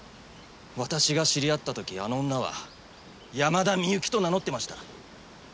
私が知り合った時あの女は山田美幸と名乗ってました